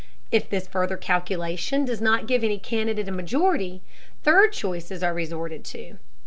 If this further calculation does not give any candidate a majority, third choices are resorted to.